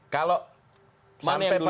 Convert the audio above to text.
kalau sampai pada hari ini